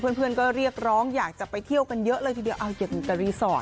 เพื่อนก็เรียกร้องอยากจะไปเที่ยวกันเยอะเลยทีเดียวเอาเกี่ยวกับรีสอร์ท